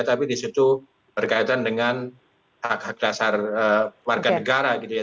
tapi di situ berkaitan dengan hak hak dasar warga negara gitu ya